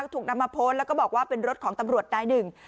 ถูกนำมาโพสต์แล้วก็บอกว่าเป็นรถของตำรวจนายหนึ่ง